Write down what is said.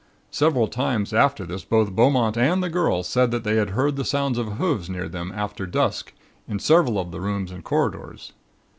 "Several times after this both Beaumont and the girl said that they had heard the sounds of hoofs near to them after dusk, in several of the rooms and corridors.